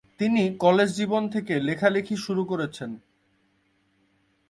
তিনি কলেজ জীবন থেকে লেখালেখি শুরু করেছেন।